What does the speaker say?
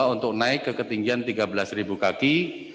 untuk naik ke ketinggian tiga belas kaki